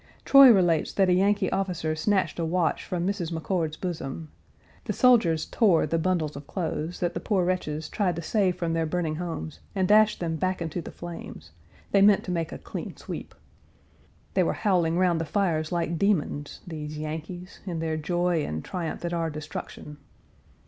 Troy relates that a Yankee officer snatched a watch from Mrs. McCord's bosom. The soldiers tore the bundles of clothes that the poor wretches tried to save from their burning homes, and dashed them back into the flames. They meant to make a clean sweep. They were howling round the fires like demons, these Yankees in their joy and triumph at our destruction.